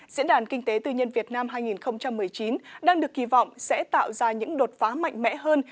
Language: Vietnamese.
diễn đàn kinh tế tư nhân việt nam hai nghìn một mươi chín đang được kỳ vọng sẽ tạo ra những đột phá mạnh mẽ hơn